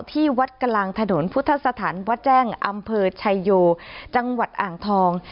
ที่วัดกลางถนนพุทธสถานวัดแจ้งอำเภอชายโยจังหวัดอ่างทอง